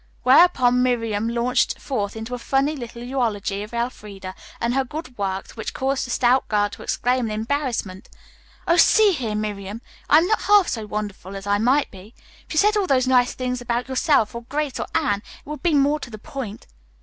Whereupon Miriam launched forth into a funny little eulogy of Elfreda and her good works which caused the stout girl to exclaim in embarrassment, "Oh, see here, Miriam, I'm not half so wonderful as I might be. If you said all those nice things about yourself or Grace or Anne it would be more to the point."